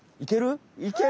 いける？